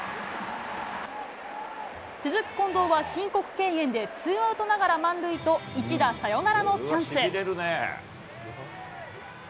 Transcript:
続く近藤は申告敬遠でツーアウトながら満塁と、一打サヨナラのチャンス。